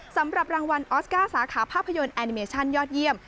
สำหรับรางวัลออสการ์สาขาภาพยนตร์แอนิเมชั่นยอดเยี่ยม